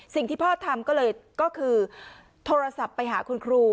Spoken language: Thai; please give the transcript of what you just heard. สิ่งที่พ่อทำก็เลยก็คือโทรศัพท์ไปหาคุณครู